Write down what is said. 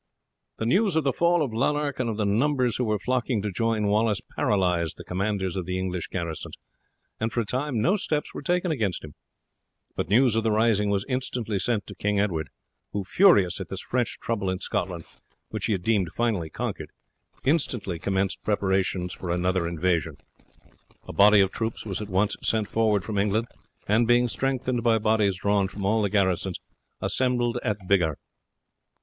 The news of the fall of Lanark and of the numbers who were flocking to join Wallace paralysed the commanders of the English garrisons, and for a time no steps were taken against him; but news of the rising was instantly sent to King Edward, who, furious at this fresh trouble in Scotland, which he had deemed finally conquered, instantly commenced preparations for another invasion. A body of troops was at once sent forward from England, and, being strengthened by bodies drawn from all the garrisons, assembled at Biggar.